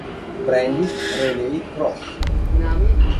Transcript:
Brandis Raley-Ross